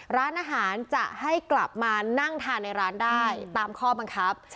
ร้านอาหารจะให้กลับมานั่งทานในร้านได้ตามข้อบังคับ